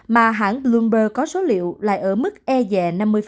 mà hãng bloomberg có số liệu lại ở mức e dẻ năm mươi